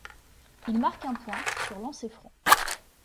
Il marque un point, sur lancer-franc.